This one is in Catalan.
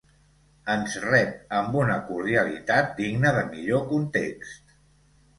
Ens rep amb una cordialitat digna de millor context.